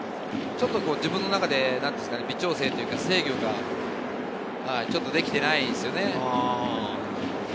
ちょっと自分の中で微調整というか、制御ができていないですね。